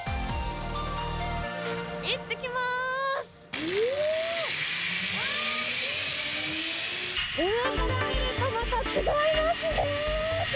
いってきまーす。